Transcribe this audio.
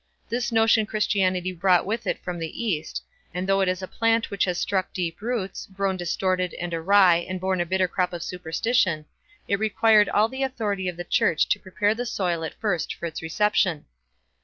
This notion Christianity brought with it from the East; and though it is a plant which has struck deep roots, grown distorted and awry, and borne a bitter crop of superstition, it required all the authority of the Church to prepare the soil at first for its reception.